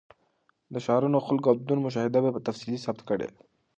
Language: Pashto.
د ښارونو، خلکو او دودونو مشاهده یې تفصیلي ثبت کړې.